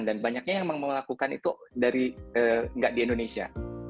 dan banyaknya yang mau melakukan itu dari nggak di indonesia